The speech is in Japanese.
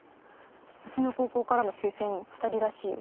うちの高校からの推薦２人らしいよ。